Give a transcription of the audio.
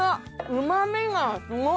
うまみがすごい！